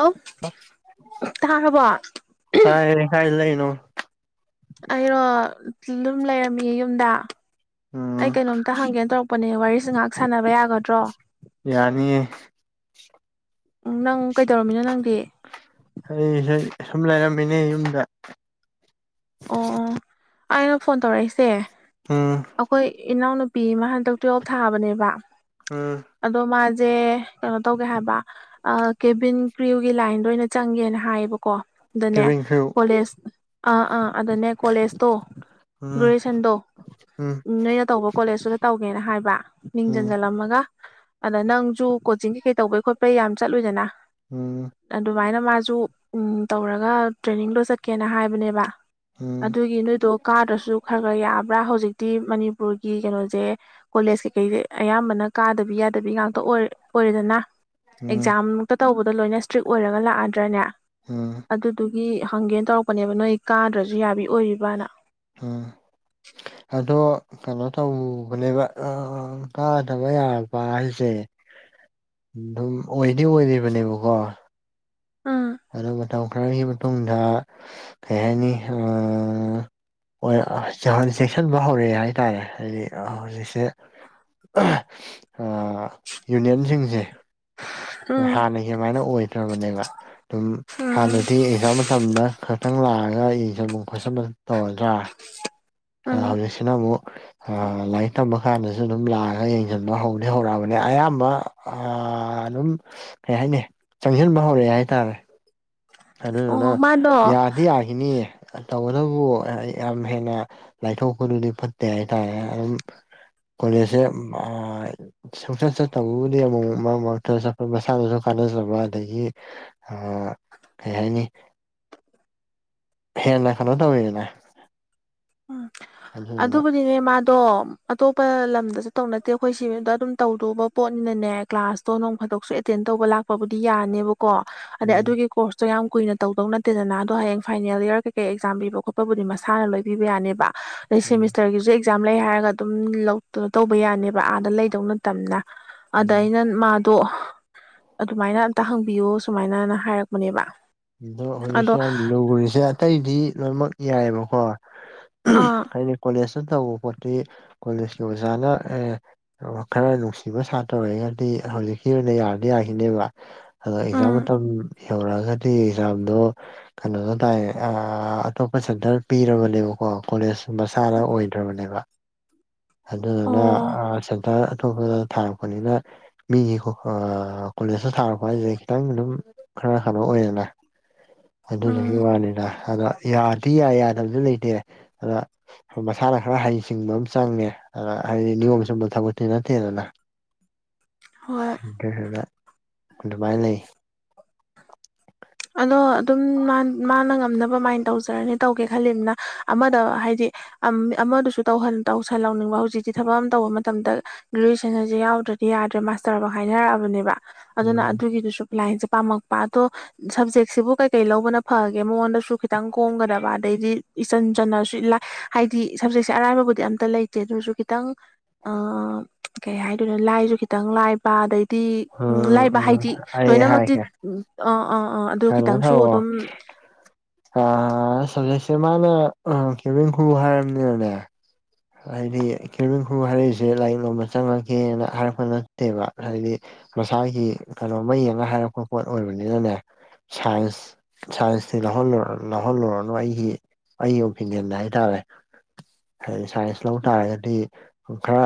ꯑꯣ ꯇꯥꯔꯕꯣ ꯇꯥꯏ ꯀꯥꯏ ꯂꯩꯅꯣ ꯑꯩꯔꯣ ꯑꯗꯨꯝ ꯂꯩꯔꯝꯃꯤꯌꯦ ꯌꯨꯝꯗ ꯎꯝ ꯑꯩ ꯀꯩꯅꯣꯝꯇ ꯍꯪꯒꯦꯅ ꯇꯧꯔꯛꯄꯅꯦ ꯋꯥꯔꯤꯁꯦ ꯉꯥꯍꯥꯛ ꯁꯥꯟꯅꯕ ꯌꯥꯒꯗ꯭ꯔꯣ ꯌꯥꯅꯤꯌꯦ ꯎꯝ ꯅꯪ ꯀꯩꯗꯧꯔꯝꯃꯤꯅꯣ ꯅꯪꯗꯤ ꯍꯩ ꯍꯩ ꯁꯨꯝ ꯂꯩꯔꯝꯃꯤꯅꯦ ꯌꯨꯝꯗ ꯑꯣ ꯑꯩꯅ ꯐꯣꯟ ꯇꯧꯔꯛꯏꯁꯦ ꯎꯝ ꯑꯈꯣꯏ ꯏꯅꯥꯎꯅꯨꯄꯤ ꯄꯤ ꯃꯥ ꯍꯟꯗꯛ ꯇꯨꯋꯦꯜꯞ ꯊꯥꯕꯅꯦꯕ ꯎꯝ ꯑꯗꯣ ꯃꯥꯁ ꯁꯦ ꯀꯩꯅꯣ ꯇꯧꯒꯦ ꯍꯥꯏꯕ ꯀꯦꯕꯤꯟ ꯀ꯭ꯔꯤꯌꯨꯒꯤ ꯂꯥꯏꯟꯗ ꯑꯣꯏꯅ ꯆꯪꯒꯦꯅ ꯍꯥꯏꯌꯦꯕꯀꯣ ꯀꯣ ꯑꯗꯨꯅꯦ ꯂꯤꯕꯤꯡ ꯍ꯭ꯌꯨ ꯀꯣꯂꯦꯖ ꯑꯥ ꯑꯥ ꯑꯗꯨꯅꯦ ꯀꯣꯂꯦꯖꯇꯣ ꯎꯝ ꯒ꯭ꯔꯦꯖꯨꯑꯦꯁꯟꯗꯣ ꯎꯝ ꯅꯣꯏꯅ ꯇꯧꯕ ꯀꯣꯂꯦꯁꯇꯨꯗ ꯇꯧꯒꯦꯅ ꯍꯥꯏꯕ ꯃꯤꯡ ꯎꯝ ꯆꯟꯖꯜꯂꯝꯃꯒ ꯑꯗ ꯅꯪꯁꯨ ꯀꯣꯆꯤꯡ ꯀꯩ ꯀꯩ ꯇꯧꯕꯩ ꯈꯣꯠꯄꯩ ꯌꯥꯝ ꯆꯠꯂꯨꯏꯗꯅ ꯎꯝ ꯑꯗꯨꯃꯥꯏꯅ ꯃꯥꯁꯨ ꯇꯧꯔꯒ ꯇ꯭ꯔꯦꯅꯤꯡꯗꯣ ꯆꯠꯀꯦꯅ ꯍꯥꯏꯕꯅꯦꯕ ꯎꯝ ꯑꯗꯨꯒꯤ ꯅꯣꯏꯗꯣ ꯀꯥꯗ꯭ꯔꯁꯨ ꯈꯔ ꯈꯔ ꯌꯥꯕ꯭ꯔꯥ ꯍꯧꯖꯤꯛ ꯇꯤ ꯃꯅꯤꯄꯨꯔꯒꯤ ꯀꯩꯅꯣꯁꯦ ꯀꯣꯂꯦꯖ ꯀꯩꯀꯩꯁꯦ ꯑꯌꯥꯝꯕꯅ ꯀꯥꯗꯕꯤ ꯌꯥꯗꯕꯤ ꯉꯥꯛꯇ ꯑꯣꯏꯔ ꯑꯣꯏꯔꯦꯗꯅ ꯎꯝ ꯑꯦꯛꯖꯥꯝꯇ ꯇꯧꯕꯗꯣ ꯂꯣꯏꯅ ꯏꯁꯇ꯭ꯔꯤꯛ ꯑꯣꯏꯔꯒ ꯂꯥꯛꯑꯗ꯭ꯔꯅꯦ ꯎꯝ ꯒꯤ ꯍꯪꯒꯦꯅ ꯇꯧꯔꯛꯄꯅꯦꯕ ꯅꯣꯏ ꯀꯥꯗ꯭ꯔꯁꯨ ꯌꯥꯕꯤ ꯑꯣꯏꯔꯤꯕꯅ ꯎꯝ ꯑꯗꯣ ꯀꯩꯅꯣ ꯇꯧꯕꯅꯦꯕ ꯑ ꯀꯥꯗꯕ ꯌꯥꯕ ꯍꯥꯏꯁꯦ ꯑꯗꯨꯝ ꯑꯣꯏꯗꯤ ꯑꯣꯏꯔꯤꯕꯅꯦꯕꯀꯣ ꯎꯝ ꯑꯗꯣ ꯃꯇꯝ ꯈꯔꯒꯤ ꯃꯇꯨꯡꯗ ꯀꯩ ꯍꯥꯏꯅꯤ ꯆꯦꯛꯁꯟꯕ ꯍꯧꯔꯛꯑꯦ ꯍꯥꯏꯇꯥꯔꯦ ꯍꯥꯏꯗꯤ ꯍꯧꯖꯤꯛꯁꯦ ꯌꯨꯅꯤꯌꯟꯁꯤꯡꯁꯦ ꯎꯝ ꯍꯥꯟꯅꯒꯤꯃꯥꯏꯅ ꯑꯣꯏꯗ꯭ꯔꯕꯅꯦꯕ ꯑꯗꯨꯝ ꯎꯝ ꯍꯥꯟꯅꯗꯤ ꯑꯦꯛꯖꯥꯝ ꯃꯇꯝꯗ ꯈꯛꯇꯪ ꯂꯥꯛꯑꯒ ꯌꯦꯡꯁꯟ ꯈꯣꯠꯁꯟꯕ ꯇꯧꯔꯗ꯭ꯔꯥ ꯑ ꯎꯝ ꯍꯧꯖꯤꯛꯁꯤꯅ ꯑꯃꯨꯛ ꯂꯥꯏꯔꯤꯛ ꯇꯝꯕ ꯀꯥꯟꯗꯁꯨ ꯑꯗꯨꯝ ꯂꯥꯛꯑꯒ ꯌꯦꯡꯁꯤꯟꯕ ꯍꯧꯗꯤ ꯍꯧꯔꯛꯑꯕꯅꯦ ꯑꯌꯥꯝꯕ ꯑꯗꯨꯝ ꯀꯩ ꯍꯥꯏꯅꯤ ꯆꯪꯁꯤꯟꯕ ꯍꯧꯔꯛꯑꯦ ꯍꯥꯏꯇꯥꯔꯦ ꯑꯗꯨꯅ ꯑꯣ ꯃꯥꯗꯣ ꯌꯥꯗꯤ ꯌꯥꯈꯤꯅꯤꯌꯦ ꯇꯧꯕꯇꯕꯨ ꯌꯥꯝ ꯍꯦꯟꯅ ꯂꯥꯏꯊꯣꯛꯄꯗꯨꯗꯤ ꯐꯠꯇꯦ ꯍꯥꯏꯇꯥꯔꯦ ꯑꯗꯨꯝ ꯀꯣꯂꯦꯖꯁꯦ ꯑ ꯁꯨꯡꯆꯠꯇꯕꯕꯨꯗꯤ ꯑꯃꯨꯃꯨꯛ ꯃꯔꯛ ꯃꯔꯛ ꯇ ꯆꯠꯄ ꯃꯁꯥꯅꯁꯨ ꯈꯔ ꯍꯣꯠꯅꯖꯕ ꯑꯗꯒꯤ ꯀꯩ ꯍꯥꯏꯅꯤ ꯍꯦꯟꯅ ꯀꯩꯅꯣ ꯇꯧꯋꯤꯅ ꯑꯗꯨꯕꯨꯗꯤꯅꯦ ꯃꯥ ꯑꯣ ꯑꯇꯣꯞꯄ ꯂꯝꯗꯁꯨ ꯇꯧ ꯅꯠꯇꯦ ꯑꯩꯈꯣꯏ ꯁꯤꯗ ꯑꯗꯨꯝ ꯇꯧꯗꯕ ꯄꯣꯠꯅꯤꯅꯅꯦ ꯀ꯭ꯂꯥꯁꯇꯣ ꯅꯣꯡꯈ ꯊ ꯑꯦꯇꯦꯟ ꯇꯧꯕ ꯂꯥꯛꯄꯕꯨꯗꯤ ꯌꯥꯅꯦꯕꯀꯣ ꯑꯗꯩ ꯎꯝ ꯑꯗꯨꯒꯤ ꯀꯣꯔꯁꯇꯣ ꯌꯥꯝ ꯀꯨꯏꯅ ꯇꯧꯗꯧ ꯅꯠꯇꯦꯗꯅ ꯑꯗꯣ ꯍꯌꯦꯡ ꯐꯥꯏꯅꯦꯜ ꯌꯌꯥꯔ ꯀꯩꯀꯩ ꯑꯦꯛꯖꯥꯝ ꯄꯤꯕ ꯈꯣꯠꯄꯕꯨꯗꯤ ꯃꯁꯥꯅ ꯂꯣꯏꯕꯤꯕ ꯌꯥꯅꯦꯕ ꯑꯗꯩ ꯎꯝ ꯁꯦꯃꯤꯁꯇꯔꯒꯤꯁꯨ ꯑꯦꯛꯖꯥꯝ ꯂꯩ ꯍꯥꯏꯔꯒ ꯑꯗꯨꯝ ꯇꯧꯕ ꯌꯥꯅꯦꯕ ꯑꯥꯗ ꯂꯩꯗꯧ ꯅꯠꯇꯝꯅ ꯑꯗꯥꯏ ꯎꯝ ꯅ ꯃꯥ ꯑꯗꯣ ꯑꯗꯨꯃꯥꯏꯅ ꯑꯝꯇ ꯍꯪꯕꯤꯌꯣ ꯁꯨꯃꯥꯏꯅꯅ ꯍꯥꯏꯔꯛꯄꯅꯦꯕ ꯑꯗꯣ ꯍꯧꯖꯤꯛꯁꯦ ꯑꯗꯣ ꯌꯥꯝ ꯂꯨꯔꯤꯁꯦ ꯑꯇꯩꯗꯤ ꯂꯣꯏꯅꯃꯛ ꯌꯥꯏꯑꯕꯀꯣ ꯑꯥ ꯍꯥꯏꯅꯦ ꯀꯣꯂꯁ ꯐꯖꯅ ꯇꯧꯕ ꯄꯣꯠꯇꯤ ꯀꯣꯂꯦꯖꯀꯤ ꯑꯣꯖꯥꯅ ꯑꯦ ꯈꯔ ꯅꯨꯡꯁꯤꯕ ꯁꯥꯇ꯭ꯔ ꯑꯣꯏꯔꯒꯗꯤ ꯍꯧꯖꯤꯛꯀꯤ ꯑꯣꯏꯅ ꯌꯥꯔꯗꯤ ꯌꯥꯈꯤꯅꯦꯕ ꯑꯣ ꯑꯦꯛꯖꯥꯝ ꯎꯝ ꯃꯇꯝ ꯌꯧꯔꯛꯑꯒ ꯑꯗꯨꯒꯤ ꯑꯦꯛꯖꯥꯝꯗꯣ ꯀꯩꯅꯣꯅ ꯇꯥꯏ ꯑꯇꯣꯞꯄ ꯁꯦꯟꯇꯔ ꯄꯤꯔꯕꯅꯦꯕꯀꯣ ꯀꯣꯂꯦꯖ ꯑ ꯁꯨꯝꯕ ꯁꯥꯔ ꯑꯣꯏꯗ꯭ꯔꯕꯅꯦꯕ [unintelligible] ꯑꯗꯨꯗꯨꯅ ꯑꯣ ꯁꯦꯟꯇꯔ ꯑꯇꯣꯞꯄ ꯊꯥꯔꯛꯄꯅꯤꯅ ꯃꯤꯒꯤ ꯀꯣꯂꯦꯖꯇ ꯊꯥꯔꯛꯄ ꯍꯥꯏꯁꯤꯦ ꯈꯤꯇꯪ ꯑꯗꯨꯝ ꯈꯔ ꯀꯩꯅꯣ ꯑꯣꯏꯌꯦꯦꯅꯦ ꯑꯗꯨꯁꯨ ꯎꯝ ꯋꯥꯅꯤꯅ ꯑꯗ ꯌꯥꯗꯤ ꯌꯥꯏ ꯌꯥꯗꯕꯁꯨ ꯂꯩꯇꯦ ꯑꯗ ꯃꯁꯥꯅ ꯈꯔ ꯍꯩꯁꯤꯡꯕ ꯑꯃ ꯆꯪꯉꯦ ꯑꯗ ꯍꯥꯏꯗꯤ ꯅꯤꯌꯝ ꯁꯕ ꯊꯕ ꯅꯠꯇꯦꯅ ꯍꯣꯏ ꯍꯥꯏꯗ ꯑꯗꯨꯃꯥꯏꯅ ꯂꯩ ꯑꯗꯣ ꯑꯗꯨꯝ ꯃꯥꯅ ꯉꯝꯅꯕ ꯃꯥꯏꯅ ꯇꯧꯖꯔꯅꯤ ꯇꯧꯒꯦ ꯈꯜꯂꯤꯕꯅ ꯑꯃꯗ ꯍꯥꯏꯗꯤ ꯇꯧꯟꯅꯤꯡꯕ ꯍꯧꯖꯤꯛꯇꯤ ꯊꯕꯛ ꯑꯃ ꯇꯧꯕ ꯃꯇꯝꯗ ꯒ꯭ꯔꯦꯖꯨꯑꯦꯁꯟꯁ ꯌꯥꯎꯗ꯭ꯔꯦ ꯭ꯔꯗꯤ ꯌꯥꯗ꯭ꯔꯦ ꯃꯥꯁꯇꯔꯐ ꯍꯥꯏꯅꯔꯛꯑꯕꯅꯦꯕ ꯑꯗꯨꯅ ꯎꯝ ꯑꯗꯨꯒꯤꯗꯨꯁꯨ ꯂꯥꯏꯟꯁꯦ ꯄꯥꯝꯃꯛꯄ ꯑꯗꯣ ꯁꯞꯖꯦꯛꯁꯤꯕꯨ ꯀꯩ ꯀꯩ ꯂꯧꯕꯅ ꯐꯒꯦ ꯃꯉꯣꯟꯗꯁꯨ ꯈꯤꯇꯪ ꯀꯣꯝꯒꯗꯕ ꯑꯗꯩꯗꯤ ꯏꯆꯟ ꯆꯟꯅꯁꯨ ꯍꯥꯏꯗꯤ ꯁꯞꯖꯦꯛꯁꯦ ꯑꯔꯥꯏꯥꯟꯕꯕꯨꯗꯤ ꯑꯝꯇ ꯂꯩꯇꯦ ꯑꯗꯨꯁꯨ ꯈꯤꯇꯪ ꯑ ꯀꯩ ꯍꯥꯏꯗꯣꯏꯅ ꯂꯥꯏꯁꯨ ꯈꯤꯇꯪ ꯂꯥꯏꯕ ꯑꯗꯩ ꯎꯝ ꯂꯥꯏꯕ ꯎꯝ ꯍꯥꯏꯗꯤ ꯂꯣꯏꯅꯃꯛꯇꯤ ꯑꯥ ꯑꯥ ꯑꯗꯨ ꯍꯂꯣ ꯈꯤꯇꯪꯁꯨ ꯍꯣ ꯑꯗꯨꯝ ꯑ ꯍꯧꯖꯤꯛꯁꯦ ꯃꯥꯅ ꯈꯦꯕꯦꯟ ꯈꯨꯔꯨ ꯍꯥꯏꯔꯕꯝꯅꯤꯅꯅꯦ ꯍꯥꯏꯗꯤ ꯈꯤꯔꯕꯈ ꯍꯥꯏꯔꯛꯏꯁꯦ ꯂꯥꯏꯔꯤꯛ ꯂꯣꯝꯕ ꯆꯪꯉꯛꯒꯦꯅ ꯍꯥꯏꯔꯛꯄ ꯅꯠꯇꯦꯕ ꯍꯥꯏꯗꯤ ꯃꯁꯥꯒꯤ ꯀꯩꯅꯣꯝꯃ ꯌꯦꯡꯉꯒ ꯍꯥꯏꯔꯛꯄ ꯄꯣꯠ ꯑꯣꯏꯕꯅꯤꯅꯅꯦ ꯁꯥꯏꯟꯁ ꯁꯥꯏꯟꯁꯇ ꯂꯧꯍꯜꯂ ꯂꯥꯎꯍꯜꯂꯨꯔꯅꯨ ꯑꯩꯁꯤ ꯑꯩꯒꯤ ꯑꯣꯄꯤꯅꯤꯌꯟꯗ ꯍꯥꯏꯇꯥꯔꯦ ꯁꯥꯏꯟꯁ ꯂ ꯇꯥꯔꯒꯗꯤ ꯈꯔ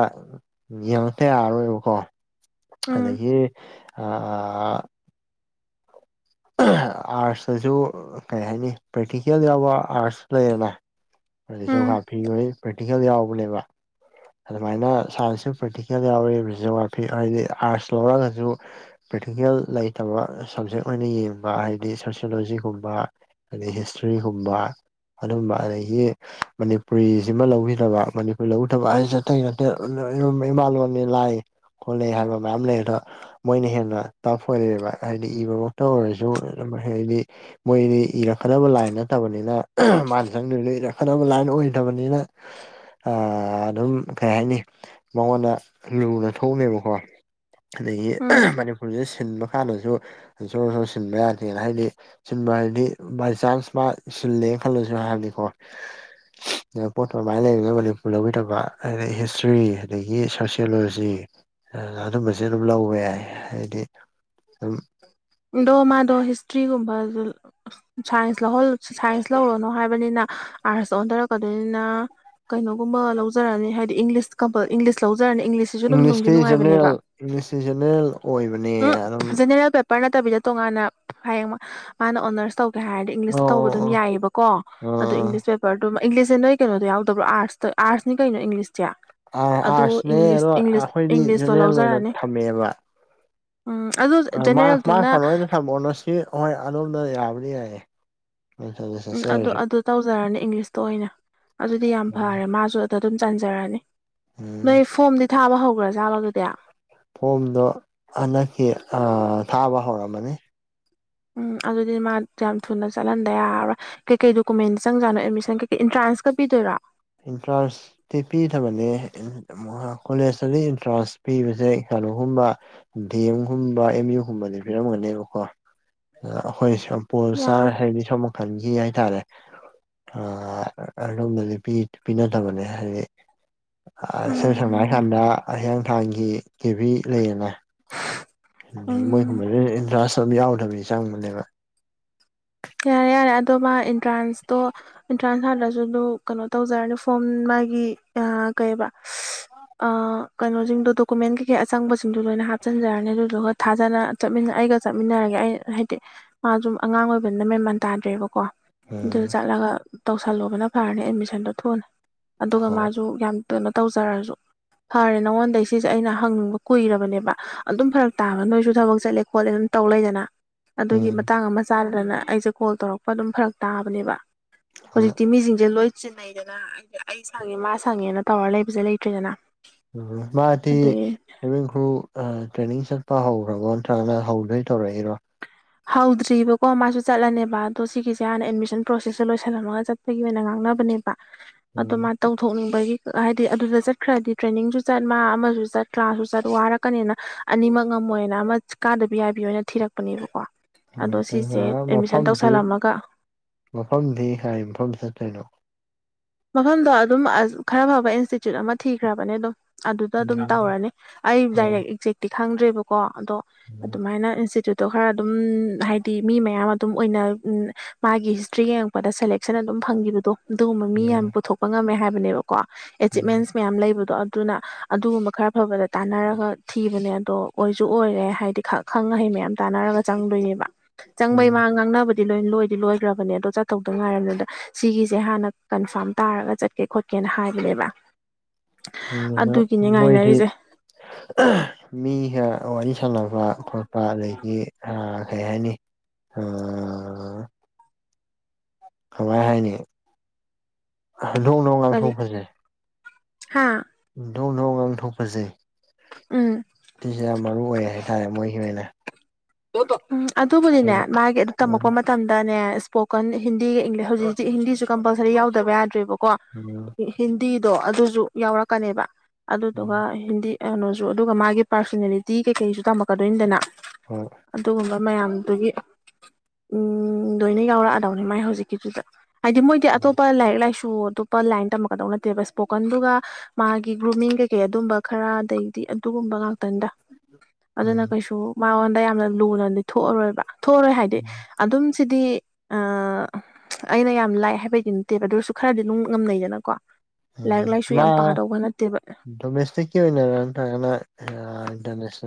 ꯌꯦꯡꯉꯇ ꯌꯥꯔꯔꯣꯏꯕꯀꯣ ꯎꯝ ꯑꯗꯒꯤ ꯑ ꯑꯥꯔꯠꯁꯇꯁꯨ ꯀꯩ ꯍꯥꯏꯅꯤ ꯄꯦꯇꯤꯀꯦ ꯌꯥꯎꯕ ꯑꯥꯔꯠꯁ ꯂꯩꯔꯅ ꯑꯗꯨꯁꯨ ꯎꯝ ꯍꯥꯞ ꯐꯤ ꯄ꯭ꯔꯇꯤꯡ ꯌꯥꯎꯕꯅꯦꯕ ꯑꯗꯨꯃꯥꯏꯅ ꯁꯥꯏꯟꯁꯁꯨ ꯄ꯭ꯔꯦꯛꯇꯤꯀꯦꯜ ꯌꯥꯎꯔꯤ ꯖꯤꯑꯣꯒ꯭ꯔꯥꯐꯤ ꯍꯥꯏꯗꯤ ꯑꯥꯔꯠꯁ ꯂꯧꯔꯒꯁꯨ ꯄ꯭ꯔꯦꯛꯇꯤꯀꯦꯜ ꯂꯩꯇꯕ ꯁꯕꯖꯦꯛ ꯑꯣꯏꯅ ꯌꯦꯡꯕ ꯍꯥꯏꯗꯤ ꯁꯣꯁꯤꯌꯣꯂꯣꯖꯤꯒꯨꯝꯕ ꯑꯗꯩ ꯍꯤꯁꯇ꯭ꯔꯤ ꯒꯨꯝꯕ ꯑꯗꯨꯝꯕ ꯑꯗꯒꯤ ꯃꯅꯤꯄꯨꯔꯤꯁꯤꯃ ꯂꯧꯕꯈꯤꯗꯕ ꯃꯅꯤꯄꯨꯔꯤ ꯂꯧꯗꯕ ꯍꯥꯏ ꯇꯩ ꯅꯠꯇꯦ ꯏꯃꯥꯂꯣꯟꯣꯟꯅꯤ ꯂꯥꯏ ꯈꯣꯠꯂꯦ ꯍꯥꯏꯕ ꯃꯌꯥꯝ ꯂꯩ ꯑꯗꯣ ꯃꯣꯏꯅ ꯍꯦꯟꯅ ꯇꯐ ꯑꯣꯏꯔꯛꯦꯕ ꯍꯥꯏꯗꯤ ꯏꯕꯃꯛꯇ ꯑꯣꯏꯔꯁꯨ ꯍꯥꯏꯗꯤ ꯃꯣꯏꯗꯤ ꯏꯔꯛꯀꯗꯕ ꯂꯥꯏꯟ ꯅꯠꯇꯕꯅꯤꯅ ꯃꯥꯅ ꯆꯪꯗꯅ ꯂꯩꯔꯛꯀꯗꯕ ꯂꯥꯏꯟ ꯑꯣꯏꯗꯕꯅꯤꯅ [unintelligible] ꯑꯗꯨꯝ ꯀꯩ ꯍꯥꯏꯅꯤ ꯃꯉꯣꯟꯗ ꯂꯨꯅ ꯊꯣꯡꯑꯃꯦꯕꯀꯣ ꯎꯝ ꯑ ꯃꯅꯤꯄꯨꯨꯔꯗ ꯁꯤꯜ ꯍꯥꯟꯅꯁꯨ ꯁꯣꯔ ꯁ ꯁꯤꯟꯕ ꯌꯥꯗꯦꯅ ꯍꯥꯏꯗꯤ ꯁꯤꯟꯕ ꯍꯥꯏꯗꯤ ꯕꯥꯏ ꯆꯥꯟꯁ ꯃꯥ ꯁꯤꯜꯂꯦ ꯈꯜꯂꯁꯨ ꯍꯥꯏꯕꯅꯤꯀꯣ ꯄꯣꯠ ꯃꯃꯥꯏꯅ ꯂꯩꯕꯅ ꯃꯅꯤꯄꯨꯔ ꯂꯧꯕꯤꯗꯕ ꯑꯗꯤꯩ ꯍꯤꯁꯇ꯭ꯔꯤ ꯑꯗꯒꯤ ꯁꯣꯁꯤꯌꯣꯂꯣꯖꯤ ꯑꯗꯨꯝꯕꯁ ꯑꯗꯨꯝ ꯂꯧꯕ ꯌꯥꯏ ꯍꯥꯏꯗꯤ ꯎꯝ ꯑꯗꯣ ꯃꯥꯗꯣ ꯍꯤꯁꯇ꯭ꯔꯤꯒꯨꯝꯕ ꯁꯥꯏꯟꯁ ꯂꯧ ꯁꯥꯏꯟꯁ ꯂꯧꯔꯣꯅꯣ ꯍꯥꯏꯕꯅꯤꯅ ꯑꯥꯔꯠꯁ ꯑꯣꯟꯊꯔꯛꯀꯗꯣꯏꯅꯤꯅ ꯀꯩꯅꯣꯒꯨꯝꯕ ꯂꯧꯖꯔꯑꯅꯤ ꯍꯥꯏꯗꯤ ꯏꯪꯂꯤꯁ ꯀꯝꯄꯜ ꯏꯪꯂꯤꯁ ꯂꯧ ꯏꯪꯂꯤꯁꯁꯤꯁꯨ ꯑꯗꯨꯝ ꯅꯨꯡꯗꯤ ꯏꯪꯂꯤꯁꯇꯤ ꯅꯨꯡꯉꯥꯏꯕꯅꯦꯕ ꯖꯦꯅꯔꯦꯜ ꯏꯪꯂꯤꯁꯇꯤ ꯖꯦꯅꯔꯦꯜ ꯑꯣꯏꯕꯅꯦ ꯎ ꯑꯗꯨꯝ ꯄꯔ ꯅꯠꯇꯕꯤꯗ ꯇꯣꯉꯥꯟꯅ ꯍꯌꯦꯡ ꯃꯥꯅ ꯑꯣꯅꯔꯁ ꯇꯧ ꯀ ꯍꯥꯏꯔꯗꯤ ꯏꯪꯂꯤꯁꯇ ꯑꯣ ꯇꯧꯕ ꯑꯣ ꯑꯗꯨꯝ ꯑꯣ ꯌꯥꯏꯑꯌꯦꯕꯀꯣ ꯑꯗꯣ ꯑꯥ ꯏꯪꯂꯤꯁ ꯄꯦꯄꯔꯗꯨ ꯏꯪꯂꯤꯁꯦ ꯅꯣꯏ ꯀꯩꯅꯣ ꯌꯥꯎꯗꯕꯥꯠꯁꯇ ꯑꯔꯠꯁꯅꯤ ꯀꯩꯅꯣ ꯏꯪꯂꯤꯁ ꯑꯁꯦ ꯑꯥꯔꯠꯁꯅꯦ ꯑꯗꯨꯪꯁꯪꯁ ꯑꯗꯣ ꯑꯩꯈꯣꯏꯗꯤ ꯏꯪꯂꯤꯁꯇꯣ ꯖꯦꯅꯔꯦꯜ ꯑꯣꯏꯅ ꯂꯧꯖꯔꯛꯑꯅꯤ ꯊꯝꯃꯦꯕ ꯎꯝ ꯑꯗꯨꯗ ꯅ ꯃꯥ ꯁꯂꯣꯏꯗ ꯁꯪꯝꯕꯣꯟꯅꯁꯤ ꯍꯣꯏ ꯑꯗꯣꯝꯗ ꯌꯥꯕꯅꯤ ꯌꯥꯏꯌꯦ ꯃꯦꯟꯁꯟꯗ ꯎꯝ ꯑꯗꯨ ꯆꯠꯆꯔꯁꯨ ꯑꯗꯨ ꯇꯧꯖꯔꯅꯤ ꯏꯪꯂꯤꯁꯇ ꯑꯣꯏꯅ ꯑꯗꯨꯗꯤ ꯌꯥꯝ ꯐꯔꯦ ꯃꯥꯁꯨ ꯑꯗꯨꯗ ꯑꯗꯨꯝ ꯆꯟꯖꯔꯅꯤ ꯎꯝ ꯅꯣꯏ ꯐꯣꯝꯗꯤ ꯊꯥꯕ ꯍꯧꯈ꯭ꯔꯥꯖꯥꯕ ꯑꯗꯨꯗꯤ ꯐꯣꯝꯗꯣ ꯍꯟꯗꯛꯀꯤ ꯊꯥꯕ ꯍꯧꯔꯝꯃꯅꯤ ꯎꯝ ꯑꯗꯨꯗꯤ ꯃꯥ ꯌꯥꯝ ꯊꯨꯅ ꯆꯠꯍꯟꯗ ꯌꯥꯔꯣꯏ ꯀꯩꯀꯩ ꯗꯣꯀꯨꯃꯦꯟ ꯆꯪꯖꯥꯠꯅꯣ ꯑꯦꯠꯃꯤꯁꯟ ꯀꯩꯀꯩ ꯑꯦꯟꯇ꯭ꯔꯥꯟꯁꯀ ꯄꯤꯗꯣꯏꯔꯣ ꯑꯦꯟꯇ꯭ꯔꯥꯟꯁꯇꯤ ꯄꯤꯊꯕꯅꯦ ꯀꯣꯂꯦꯖꯇꯒꯤ ꯑꯦꯟꯇ꯭ꯔꯥꯟꯁ ꯄꯤꯕꯁꯦ ꯀꯩꯅꯣꯒꯨꯝꯕ ꯗꯤ ꯑꯦꯝꯒꯨꯝꯕ ꯑꯦꯝ ꯌꯨꯒꯨꯝꯕꯗꯤ ꯄꯤꯔꯝꯒꯅꯦꯕꯀꯣ ꯑ ꯑꯩꯈꯣꯏ ꯄꯣꯜꯁꯔ ꯌꯥꯔꯦ ꯍꯦꯕꯤ ꯊꯃꯛ ꯈꯟꯈꯤ ꯍꯥꯏꯇꯥꯔꯦ ꯑꯗꯣꯝꯅ ꯅꯨꯄꯤ ꯄꯤꯅꯗꯕꯅꯦ ꯍꯥꯏꯗꯤ ꯏꯁꯩꯝ ꯁꯝꯅ ꯍꯥꯏ ꯎꯝ ꯀꯥꯟꯗ ꯍꯌꯦꯡ ꯅꯨꯡꯥꯡꯒꯤ ꯀꯦꯕꯤꯤ ꯂꯩꯔꯅꯦ ꯑꯗꯒꯤ ꯎꯝ ꯃꯣꯏꯒꯨꯝꯕ ꯏꯟꯇꯔꯥꯁ ꯌꯥꯎꯗꯕꯅꯤ ꯆꯪꯕꯅꯦꯕ ꯀꯦꯔꯦ ꯔꯦ ꯑꯗꯣ ꯃꯥ ꯑꯦꯟꯇ꯭ꯔꯥꯟꯁꯇꯣ ꯑꯦꯟꯇ꯭ꯔꯥꯟꯁ ꯍꯥꯜꯂꯁꯨ ꯑꯗꯨ ꯀꯩꯅꯣ ꯇꯧꯖꯔꯅꯤ ꯐꯣꯝ ꯃꯥꯒꯤ ꯑ ꯀꯩꯕ ꯀꯩꯅꯣꯁꯤꯡꯗꯣ ꯗꯣꯀꯨꯃꯦꯟ ꯀꯩꯀꯩ ꯑꯆꯪꯕꯁꯤꯡꯗꯣ ꯂꯣꯏꯅ ꯍꯥꯞꯆꯤꯟꯖꯔꯅꯤ ꯑꯗꯨꯗꯨꯒ ꯊꯥꯖꯅ ꯆꯠꯃꯤꯟꯅ ꯑꯩ ꯑꯩꯒ ꯆꯠꯃꯤꯟꯅꯔꯒꯦ ꯑꯩ ꯍꯥꯏꯗꯤ ꯃꯥꯁꯨ ꯑꯉꯥꯡ ꯑꯣꯏꯕ ꯐꯕꯅ ꯃꯦꯃꯟ ꯇꯥꯗ꯭ꯔꯦꯕꯀꯣ ꯎꯝ ꯑꯗꯨꯗ ꯆꯠꯂꯒ ꯇꯧꯁꯜꯂꯨꯕꯅ ꯐꯔꯅꯤ ꯑꯦꯠꯃꯤꯁꯟꯗꯣ ꯊ ꯊꯣꯛꯑꯂꯅꯤ ꯑꯗꯨꯒ ꯍꯣꯏ ꯃꯥꯁꯨ ꯌꯥꯝ ꯀꯩꯅꯣ ꯇꯧꯖꯔꯁꯨ ꯐꯔꯦ ꯅꯉꯣꯟꯗꯒꯤꯩ ꯁꯤꯁꯦ ꯑꯩꯅ ꯍꯪꯅꯤꯡꯕ ꯀꯨꯏꯔꯕꯅꯦꯕ ꯑꯗꯨꯝ ꯐꯔꯛ ꯇꯥꯕ ꯅꯣꯏꯁꯨ ꯊꯕꯛ ꯆꯠꯂꯦ ꯈꯣꯠꯂꯦ ꯑꯗꯨꯝ ꯇꯧꯔꯦ ꯂꯣꯏꯗꯅ ꯑꯗꯨꯒꯤ ꯎꯝ ꯃꯇꯥꯡ ꯑꯃ ꯆꯥ ꯦ ꯀꯣ ꯇꯧꯔꯛꯄ ꯑꯗꯨꯝ ꯐꯔꯛ ꯇꯥꯕꯅꯦꯕ ꯍꯣꯏ ꯍꯧꯖꯤꯛꯇꯤ ꯃꯤꯁꯤꯡꯁꯦ ꯂꯣꯏ ꯁꯤꯟꯅꯩꯗꯅ ꯑꯩ ꯁꯪꯉꯦ ꯃꯥ ꯁꯪꯉꯦꯅ ꯇꯧꯔ ꯂꯩꯕꯁꯦ ꯂꯩꯇ꯭ꯔꯤꯗꯅ ꯃꯥꯗꯤꯤꯃꯤꯈ ꯑ ꯇ꯭ꯔꯦꯟꯦꯅꯤꯡ ꯆꯠꯄ ꯍꯧꯈ꯭ꯔꯕꯣ ꯅꯠꯇ꯭ꯔꯒꯅ ꯍꯧꯗꯣꯏ ꯇꯧꯔꯛꯏꯔꯣ ꯍꯧꯗ꯭ꯔꯤꯕꯀꯣ ꯃꯥꯁꯨ ꯆꯠꯂꯅꯦꯕ ꯑꯗꯣ ꯁꯤꯒꯤꯁꯦ ꯍꯥꯟꯅ ꯑꯦꯗꯃꯤꯁꯟ ꯄ꯭ꯔꯣꯁꯦꯁꯁꯦ ꯂꯣꯏꯁꯜꯂꯝꯃꯒ ꯆꯠꯄꯒꯤ ꯑꯣꯏꯅ ꯉꯥꯡꯅꯕꯅꯦꯕ ꯑ ꯎꯝ ꯃꯥ ꯇꯧꯊꯣꯛꯅꯤꯡꯕꯒꯤ ꯍꯥꯏꯗꯤ ꯑꯗꯨꯗ ꯆꯠꯈ꯭ꯔꯗꯤ ꯇ꯭ꯔꯦꯅꯤꯡꯁꯨ ꯆꯠ ꯃꯥ ꯑꯃꯁꯨ ꯆꯠ ꯀ꯭ꯂꯥꯁꯁꯨ ꯆꯠ ꯋꯥꯔꯛꯀꯅꯤꯅ ꯑꯅꯤꯃꯛ ꯃꯣꯏꯅ ꯑꯃ ꯀꯥꯗꯕꯤ ꯌꯥꯏꯕꯤꯅ ꯊꯤꯔꯛꯄꯅꯦꯕꯀꯣ ꯎ ꯑꯗꯣ ꯁꯤꯁꯦ ꯑꯦꯗꯃꯤꯁꯟ ꯃꯐꯝꯗꯤ ꯇꯧꯁꯜꯂꯝꯃꯒ ꯃꯐꯝꯗꯤ ꯀꯔꯤ ꯃꯐꯝ ꯆꯠꯇ꯭ꯔꯣꯏꯅꯣ ꯃꯐꯝꯗꯣ ꯑꯗꯨꯝ ꯈꯔ ꯐꯕ ꯏꯟꯁꯇꯤꯇ꯭ꯌꯨꯠ ꯑꯃ ꯊꯤꯈ꯭ꯔꯕꯅꯦ ꯑꯗꯨꯝ ꯑꯗꯨꯗ ꯑꯗꯨꯝ ꯎꯝ ꯇꯧꯔꯅꯤ ꯑꯩ ꯑꯣ ꯗꯥꯏꯔꯦꯛ ꯑꯦꯛꯖꯦꯛꯇꯤ ꯈꯪꯗ꯭ꯔꯦꯕꯀꯣ ꯑꯗꯣ ꯎꯝ ꯑꯗꯨꯃꯥꯏꯅ ꯏꯟꯁꯇꯤꯇ꯭ꯨꯠ ꯑꯗꯣ ꯈꯔ ꯑꯗꯨꯝ ꯍꯥꯏꯗꯤ ꯃꯤ ꯃꯌꯥꯝ ꯑꯗꯨꯝ ꯑꯣꯏꯅ ꯃꯥꯒꯤ ꯍꯤꯁꯇ꯭ꯔꯤ ꯌꯦꯡꯉꯛꯄꯗ ꯁꯦꯂꯦꯛꯁꯟ ꯑꯗꯨꯝ ꯐꯪꯈꯤꯕꯗꯣ ꯑꯗꯨꯒꯨꯝꯕ ꯃꯤ ꯎꯝ ꯌꯥꯝꯅ ꯄꯨꯊꯣꯛꯄ ꯉꯝꯃꯦ ꯍꯥꯏꯕꯅꯦꯕꯀꯣ ꯎꯝ ꯑꯦꯆꯤꯞꯃꯦꯟꯁ ꯃꯌꯥꯝ ꯂꯩꯕꯗꯣ ꯑꯗꯨꯅ ꯑꯗꯨꯒꯨꯝꯕ ꯈꯔ ꯐꯕꯗ ꯇꯥꯟꯅꯔꯒ ꯊꯤꯕꯅꯦ ꯑꯗꯣ ꯑꯣꯏꯁꯨ ꯑꯣꯏꯔꯦ ꯍꯥꯏꯗꯤ ꯈꯪꯩ ꯃꯌꯥꯝ ꯇꯥꯟꯅꯔꯒ ꯆꯪꯗꯣꯏꯌꯦꯕ ꯆꯪꯕꯩ ꯎꯝ ꯃꯥ ꯉꯥꯡꯅꯕꯗꯤ ꯂꯣꯏ ꯂꯣꯏꯗꯤ ꯂꯣꯏꯈ꯭ꯔꯕꯅꯦ ꯑꯗꯣ ꯆꯠꯇꯧꯗꯣ ꯉꯥꯏꯔꯕꯅꯤꯗ ꯁꯤꯒꯤꯁꯦ ꯍꯥꯟꯅ ꯀꯟꯐꯥꯔꯝ ꯇꯥꯔꯒ ꯆꯠꯀꯦ ꯈꯣꯠꯀꯦꯅ ꯍꯥꯏꯕꯅꯦꯕ ꯎ ꯑꯗꯨꯒꯤꯅꯦ ꯃꯣꯏꯗꯤ ꯉꯥꯏꯅꯔꯤꯁꯦ ꯃꯤ ꯋꯥꯔꯤ ꯁꯟꯅꯅꯕ ꯈꯣꯠꯄ ꯑꯗꯒꯤ ꯀꯩ ꯍꯥꯏꯅꯤ ꯑ ꯀꯃꯥꯏ ꯍꯥꯏꯅꯤ ꯗꯣꯡ ꯗꯣꯡ ꯉꯥꯡꯊꯣꯛꯄꯁꯦ ꯍꯥꯥ ꯗꯣꯡ ꯗꯣꯡ ꯉꯥꯡꯊꯣꯛꯄꯁꯦ ꯎꯝ ꯁꯤꯁꯦ ꯌꯥꯝ ꯃꯔꯨ ꯑꯣꯏ ꯍꯥꯏꯇꯥꯔꯦ ꯃꯣꯏꯒꯤ ꯑꯣꯏꯅ ꯎꯝ ꯑꯗꯨꯕꯨꯗꯤꯅꯦ ꯑꯗꯨꯗꯤ ꯃꯥꯒꯤ ꯑꯗꯨ ꯇꯝꯃꯛꯄ ꯃꯇꯝꯗꯅꯦ ꯏꯁꯄꯣꯀꯟ ꯍꯤꯟꯗꯤꯒ ꯏꯪꯂꯤꯁ ꯍꯧꯖꯤꯛꯁꯦ ꯍꯤꯟꯗꯤꯁꯨ ꯀꯝꯄꯜꯁꯔꯤ ꯌꯥꯎꯗꯕ ꯌꯥꯗ꯭ꯔꯦꯕꯀꯣ ꯎꯝ ꯍꯤꯟꯗꯤꯗꯣ ꯑꯗꯨꯁꯨ ꯌꯥꯎꯔꯛꯀꯅꯦꯕ ꯎꯝ ꯑꯗꯨꯗꯨꯒ ꯍꯤꯟꯗꯤ ꯀꯩꯅꯣꯁꯨ ꯑꯗꯨꯒ ꯃꯥꯒꯤ ꯄꯥꯔꯁꯣꯅꯦꯂꯤꯇꯤ ꯀꯩꯀꯩꯁꯨ ꯇꯝꯃꯛꯀꯗꯣꯏꯅꯤꯗꯅ ꯍ ꯑꯗꯨꯒꯨꯝꯕ ꯃꯌꯥꯝꯗꯨꯒꯤ ꯎꯝ ꯂꯣꯏꯅ ꯌꯥꯎꯔꯛꯑꯗꯧꯅꯤ ꯃꯥꯏ ꯍꯧꯖꯤꯛꯀꯤꯗꯨꯗ ꯍꯥꯏꯗꯤ ꯃꯣꯏꯗꯤ ꯑꯇꯣꯞꯄ ꯂꯥꯏꯔꯤꯛ ꯂꯥꯏꯁꯨ ꯑꯇꯣꯞꯄ ꯑꯣꯟ ꯂꯥꯏꯟ ꯇꯝꯃꯛꯀꯗꯧ ꯅꯠꯇꯦꯕ ꯏꯁꯄꯣꯀꯟꯗꯨꯒ ꯃꯥꯒꯤ ꯒ꯭ꯔꯨꯃꯤꯡ ꯀꯩꯀꯩ ꯑꯗꯨꯝꯕ ꯈꯔ ꯑꯗꯩꯗꯤ ꯑꯗꯨꯒꯨꯝꯕ ꯉꯥꯛ ꯇꯟꯗ ꯑꯗꯨꯅ ꯎꯝ ꯀꯩꯁꯨ ꯃꯉꯣꯟꯗ ꯌꯥꯝꯅ ꯂꯨꯅꯗꯤ ꯊꯣꯛꯑꯔꯣꯏꯕ ꯊꯣꯛꯑꯥꯔꯣꯏ ꯍꯥꯏꯗꯤ ꯎꯝ ꯑꯗꯨꯝ ꯁꯤꯗꯤ ꯑꯥ ꯑꯩꯅ ꯌꯥꯝ ꯂꯥꯏ ꯍꯥꯏꯕꯩꯗꯤ ꯅꯠꯇꯦꯕ ꯑꯗꯨ ꯑꯣꯏꯔꯁꯨ ꯈꯔꯗꯤ ꯗꯨꯝ ꯉꯝꯅꯩꯗꯅꯀꯣ ꯂꯥꯏꯔꯤꯛ ꯎꯝ ꯂꯥꯏꯁꯨ ꯃꯥ ꯌꯥꯝ ꯄꯥꯗꯧꯕ ꯅꯠꯇꯦ ꯗꯣꯃꯦꯁꯇꯤꯛꯀꯤ ꯑꯣꯏꯅꯔ ꯅꯠꯇ꯭ꯔꯒꯅ ꯑꯥ ꯏꯟꯇꯔꯅꯦꯁꯅꯦꯜ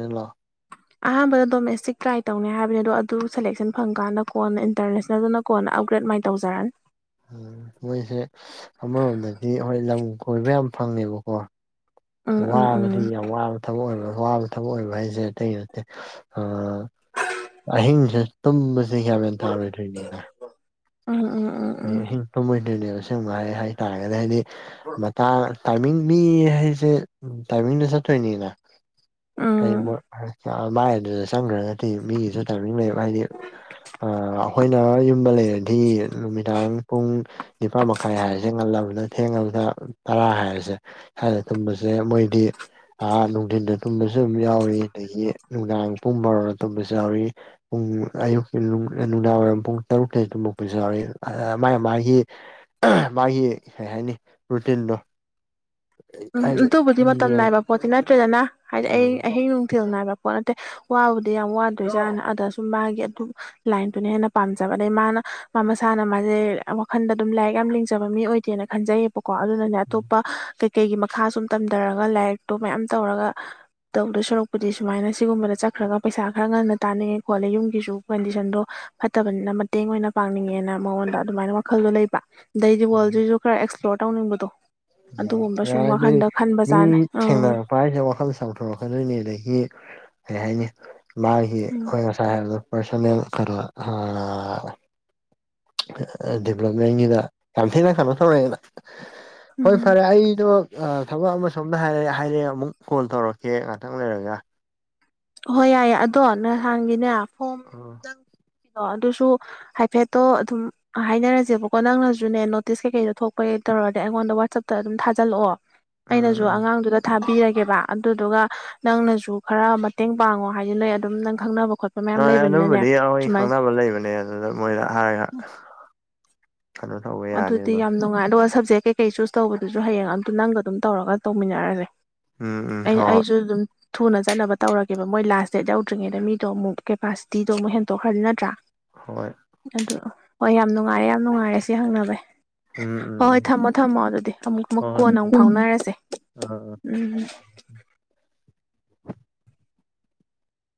ꯑꯍꯥꯟꯕꯗ ꯗꯣꯃꯦꯁꯇꯤꯛ ꯇ꯭ꯔꯥꯏ ꯇꯧꯅꯤ ꯍꯥꯏꯕꯅꯦ ꯑꯗꯣ ꯑꯗꯨ ꯁꯦꯂꯦꯛꯁꯟ ꯐꯪꯀꯥꯟꯗ ꯀꯣꯟꯅ ꯏꯟꯇꯔꯅꯦꯁꯅꯦꯜꯗꯨꯅ ꯀꯣꯟꯅ ꯑꯞꯒ꯭ꯔꯦꯗ ꯃꯥꯏ ꯇꯧꯖꯔꯑꯅꯤ ꯎꯝ ꯃꯣꯏꯁꯦ ꯑꯃꯔꯣꯝꯗꯗꯤ ꯍꯣꯏ ꯂꯝ ꯀꯣꯏꯕ ꯌꯥꯝ ꯐꯪꯉꯦꯕꯀꯣ ꯎꯝ ꯎꯝ ꯎꯝ ꯋꯥꯕꯗꯤ ꯌꯥꯝ ꯋꯥꯕ ꯊꯕꯛ ꯑꯣꯏꯕ ꯑꯋꯥꯕ ꯊꯕꯛ ꯑꯣꯏꯕ ꯍꯥꯏꯁꯦ ꯑꯇꯩꯒꯤ ꯅꯠꯇꯦ ꯑꯥ ꯑꯍꯤꯡꯁꯦ ꯇꯨꯝꯕꯁꯦ ꯒꯌ꯭ꯥꯟ ꯃꯦꯟ ꯇꯥꯔꯣꯏꯗ꯭ꯔꯤꯅꯤꯅ ꯎꯝ ꯎꯝ ꯎꯝ ꯎꯝ ꯑꯍꯤꯡ ꯇꯨꯝꯃꯣꯏꯗ꯭ꯔꯤꯅꯦꯕ ꯑꯁꯦꯡꯕ ꯍꯥꯏ ꯍꯥꯏꯇꯥꯥꯔꯒꯗꯤ ꯍꯥꯏꯗꯤ ꯃꯇꯥꯡ ꯇꯥꯏꯃꯤꯡ ꯃꯤ ꯍꯥꯏꯁꯦ ꯇꯥꯏꯃꯤꯡꯗ ꯆꯠꯇꯣꯏꯅꯤꯅ ꯎꯝ ꯃꯥꯏ ꯑꯗꯨꯗ ꯆꯪꯒ꯭ꯔꯒꯗꯤ ꯃꯤꯒꯤꯁꯨ ꯇꯥꯏꯃꯤꯡ ꯂꯩꯕ ꯍꯥꯏꯗꯤ ꯑꯥ ꯑꯩꯈꯣꯏꯅ ꯑꯃ ꯂꯩꯔꯗꯤ ꯅꯨꯃꯤꯗꯥꯡ ꯄꯨꯡ ꯅꯤꯄꯥꯥꯟ ꯃꯈꯥꯏ ꯍꯥꯏꯔꯁꯦ ꯉꯜꯂꯕꯗ ꯊꯦꯡꯉꯕꯗ ꯇꯔꯥ ꯍꯥꯏꯔꯁꯦ ꯑ ꯇꯨꯝꯕꯁꯦ ꯃꯣꯏꯗꯤ ꯑꯥ ꯅꯨꯡꯊꯤꯟꯗ ꯇꯨꯝꯕꯁꯨ ꯑꯗꯨꯝ ꯌꯥꯎꯋꯤ ꯑꯗꯒꯤ ꯅꯨꯡꯗꯥꯡ ꯄꯨꯡ ꯕꯥꯔꯣꯗ ꯇꯨꯝꯕꯁꯨ ꯌꯥꯎꯏ ꯄꯨꯡ ꯑꯌꯨꯛꯀꯤ ꯅꯨꯡꯗꯥꯡ ꯋꯥꯏꯔꯝ ꯄꯨꯡ ꯇꯔꯨꯛꯇꯩ ꯇꯨꯝꯃꯛꯄꯁꯨ ꯌꯥꯎꯏ ꯑꯥ ꯃꯥꯒꯤ ꯃꯥꯒꯤ ꯑꯥ ꯃꯥꯒꯤ ꯀꯩ ꯍꯥꯏꯅꯤ ꯔꯨꯇꯤꯟꯗꯣ ꯎꯝ ꯍꯥꯏꯗꯤ ꯑꯗꯨꯕꯨꯗꯤ ꯃꯇꯝ ꯌꯦꯡ ꯅꯥꯏꯕ ꯄꯣꯠꯇꯤ ꯅꯠꯇ꯭ꯔꯦꯗꯅ ꯍꯥꯏꯗꯤ ꯑꯩ ꯑꯍꯤꯡ ꯅꯨꯡ ꯊꯤꯜ ꯅꯥꯏꯕ ꯄꯣꯠ ꯅꯠꯇꯦ ꯋꯥꯕꯨꯗꯤ ꯌꯥꯝ ꯋꯥꯗꯣꯏꯖꯥꯠꯅꯦ ꯑꯗ ꯁꯨꯝ ꯃꯥꯒꯤ ꯑꯗꯨꯝ ꯂꯥꯏꯟꯗꯨꯅ ꯍꯦꯟꯅ ꯄꯥꯝꯖꯕ ꯑꯗꯩ ꯃꯥꯅ ꯃꯥ ꯃꯁꯥꯅ ꯃꯥꯁꯦ ꯋꯥꯈꯟꯗ ꯑꯗꯨꯝ ꯂꯥꯏꯔꯤꯛ ꯌꯥꯝꯅ ꯂꯤꯡꯖꯕ ꯃꯤ ꯑꯣꯏꯗꯦꯅ ꯈꯟꯖꯩꯕꯀꯣ ꯀꯣ ꯑꯗꯨꯅꯅꯦ ꯑꯇꯣꯞꯄ ꯀꯩꯀꯩꯒꯤ ꯃꯈꯥ ꯁꯨꯝ ꯇꯝꯗꯔꯒ ꯂꯥꯏꯔꯤꯛꯇꯣ ꯃꯌꯥꯝ ꯇꯧꯔꯒ ꯇꯧꯗꯧ ꯁꯥꯔꯨꯛꯄꯨꯗꯤ ꯁꯨꯃꯥꯏꯅ ꯁꯤꯒꯨꯝꯕꯗ ꯆꯠꯈ꯭ꯔꯒ ꯄꯩꯁꯥ ꯈꯔ ꯉꯟꯅ ꯇꯥꯅꯤꯡꯉꯦ ꯈꯣꯠꯂꯦ ꯌꯨꯝꯒꯤꯁꯨ ꯀꯟꯗꯤꯁꯟꯗꯣ ꯐꯠꯇꯕꯅꯤꯅ ꯃꯇꯦꯡ ꯑꯣꯏꯅ ꯄꯥꯡꯅꯤꯡꯉꯦꯅ ꯃꯉꯣꯟꯗ ꯑꯗꯨꯃꯥꯏꯅ ꯋꯥꯈꯜꯗꯣ ꯂꯩꯕ ꯑꯗꯩꯗꯤ ꯋꯥꯔꯜꯁꯤꯁꯨ ꯈꯔ ꯑꯦꯛꯁꯄ꯭ꯂꯣꯔ ꯇꯧꯅꯤꯡꯕꯗꯣ ꯑꯗꯨꯒꯨꯝꯕ ꯁꯨꯝ ꯍꯥꯏꯗꯤ ꯋꯥꯈꯟꯗ ꯃꯤ ꯈꯟꯕꯖꯥꯠꯅꯦ ꯑꯪ ꯊꯦꯡꯅꯔꯛꯄ ꯍꯥꯏꯁꯦ ꯋꯥꯈꯜ ꯆꯥꯎꯊꯣꯔꯛꯀꯗꯣꯏꯅꯦ ꯑꯗꯒꯤ ꯀꯔꯤ ꯍꯥꯏꯅꯤ ꯃꯥꯒꯤ ꯎꯝ ꯑꯈꯣꯏꯅ ꯉꯁꯥꯏ ꯍꯥꯏꯕꯗꯣ ꯄꯥꯔꯁꯣꯅꯦꯜ ꯑꯥ ꯗꯦꯕꯂꯞꯃꯦꯟꯒꯤꯗ ꯌꯥꯝ ꯊꯤꯅ ꯀꯩꯅꯣ ꯇꯧꯔꯦꯅ ꯍꯣꯏ ꯎꯝ ꯐꯔꯦ ꯑꯩꯗꯣ ꯑꯥ ꯊꯕꯛ ꯑꯃ ꯁꯣꯝꯗ ꯍꯥꯏꯔꯦ ꯍꯥꯏꯔꯛꯑꯦ ꯑꯃꯨꯛ ꯀꯣꯜ ꯇꯧꯔꯛꯀꯦ ꯉꯥꯛꯇꯪ ꯂꯩꯔꯒ ꯍꯣꯏ ꯌꯥꯏꯌꯦ ꯑꯗꯣ ꯅꯍꯥꯟꯒꯤꯅꯦ ꯎꯝ ꯗꯣ ꯑꯗꯨꯁꯨ ꯍꯥꯏꯐꯦꯠꯇꯣ ꯑꯗꯨꯝ ꯍꯥꯏꯅꯔꯁꯦꯕꯀꯣ ꯅꯪꯅꯁꯨꯅꯦ ꯅꯣꯇꯤꯁ ꯀꯩꯀꯩꯗꯣ ꯊꯣꯛꯄ ꯇꯧꯔꯗꯤ ꯑꯩꯉꯣꯟꯗ ꯋꯥꯆꯞꯇ ꯑꯗꯨꯝ ꯊꯥꯖꯤꯜꯂꯛꯑꯣ ꯑꯩꯅꯁꯨ ꯎꯝ ꯑꯉꯥꯡꯗꯨꯗ ꯊꯥꯕꯤꯔꯒꯦꯕ ꯑꯗꯨꯗꯨꯒ ꯅꯪꯅꯁꯨ ꯈꯔ ꯃꯇꯦꯡ ꯄꯥꯡꯉꯣ ꯍꯥꯏꯖꯜꯂꯛꯑ ꯑꯗꯨꯝ ꯅꯪ ꯈꯪꯅꯕ ꯈꯣꯠꯄ ꯃꯌꯥꯝ ꯍꯣꯏ ꯂꯩꯕꯅꯤꯅꯅꯦ ꯑꯗꯨꯝꯕꯗꯤ ꯑꯩꯈꯣꯏ ꯁꯨꯃꯥꯏꯅ ꯈꯪꯅꯕ ꯂꯩꯕꯅꯦ ꯑꯗꯨꯗ ꯃꯣꯏꯗ ꯍꯥꯏꯔꯒ ꯀꯩꯅꯣ ꯇꯧꯕ ꯌꯥꯅꯤ ꯑꯗꯨꯗꯤ ꯑꯗꯨꯝ ꯌꯥꯝ ꯅꯨꯡꯉꯥꯏ ꯑꯗꯨꯒ ꯁꯦ ꯀꯩꯀꯩ ꯆꯨꯁ ꯇꯧꯕꯗꯨꯁꯨ ꯍꯌꯦꯡ ꯑꯝꯇ ꯅꯪꯒ ꯑꯗꯨꯝ ꯇꯧꯔꯒ ꯇꯧꯃꯤꯟꯅꯔꯁꯦ ꯎꯝ ꯎꯝ ꯑꯩꯅ ꯍꯣꯏ ꯑꯩꯁꯨ ꯑꯗꯨꯝ ꯊꯨꯅ ꯆꯠꯅꯕ ꯇꯧꯔꯒꯦꯕ ꯃꯣꯏ ꯂꯥꯁ ꯗꯦꯠ ꯌꯧꯗ꯭ꯔꯤꯉꯩꯗ ꯃꯤꯗꯣ ꯑꯃꯨꯛ ꯀꯦꯄꯥꯁꯤꯇꯤꯗꯣ ꯑꯃꯨꯛ ꯍꯦꯟꯗꯣꯛꯍꯜꯂꯤ ꯅꯠꯇ꯭ꯔꯥ ꯍꯣꯏ ꯑꯗꯨ ꯍꯣꯏ ꯌꯥꯝ ꯅꯨꯡꯉꯥꯏꯔꯦ ꯌꯥꯝ ꯅꯨꯡꯉꯥꯏꯔꯦ ꯁꯤ ꯍꯪꯅꯕ ꯎꯝ ꯎꯝ ꯍꯣꯏ ꯍꯣꯏ ꯎꯝ ꯊꯝꯃꯣ ꯊꯝꯃꯣ ꯑꯗꯨꯗꯤ ꯑꯃꯨꯛ ꯑꯃꯨꯛ ꯍꯣꯏ ꯍꯣꯏ ꯀꯣꯟꯅ ꯑꯃꯨꯛ ꯐꯥꯎꯅꯔꯁꯦ ꯑꯥ ꯑꯥ ꯎꯝꯝ [unintelligible]